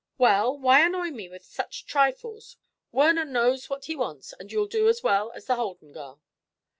"Well, why annoy me with such trifles? Werner knows what he wants, and you'll do as well as the Holden girl."